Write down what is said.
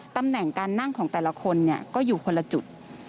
ตำแหน่งการนั่งของแต่ละคนก็อยู่คนละจุด